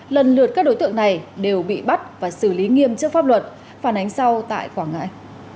lần lượt các đối tượng này đều bị bắt và xử lý nghiêm trước pháp luật phản ánh sau tại quảng ngãi